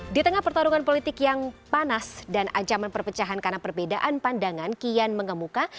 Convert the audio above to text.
di tengah pertarungan politik yang panas dan ancaman perpecahan karena perbedaan pandangan kian mengemuka